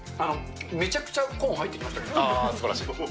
めちゃくちゃコーン入ってきすばらしい。